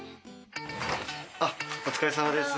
あっお疲れさまです。